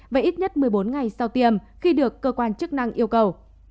và ít nhất một mươi bốn ngày sau tiêm khi được cơ quan chức năng yêu cầu